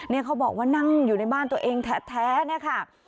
เขาบอกว่านั่งอยู่ในบ้านตัวเองแท้เนี่ยค่ะ